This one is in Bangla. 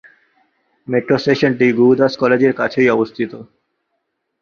মেট্রো স্টেশনটি গুরুদাস কলেজের কাছেই অবস্থিত।